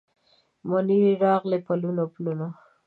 مني راغلي پلونه، پلونه